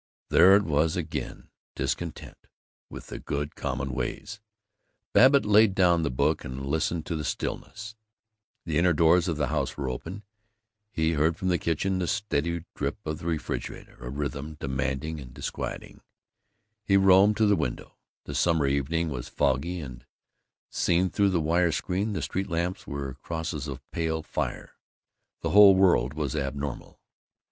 There it was again: discontent with the good common ways. Babbitt laid down the book and listened to the stillness. The inner doors of the house were open. He heard from the kitchen the steady drip of the refrigerator, a rhythm demanding and disquieting. He roamed to the window. The summer evening was foggy and, seen through the wire screen, the street lamps were crosses of pale fire. The whole world was abnormal.